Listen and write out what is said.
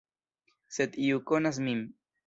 Sed iu konas min.